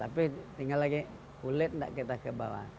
tapi tinggal lagi kulit tidak kita ke bawah